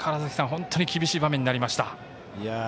本当に厳しい場面になりました。